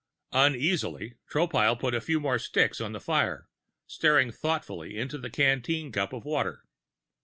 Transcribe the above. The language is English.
Uneasily, Tropile put a few more sticks on the fire, staring thoughtfully into the canteen cup of water.